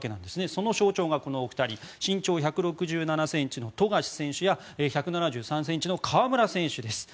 その象徴がこのお二人身長１６７ｃｍの富樫選手や１７２ｃｍの河村選手です。